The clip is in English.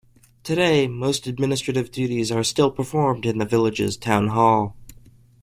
Today most administrative duties are still performed in the village's town hall.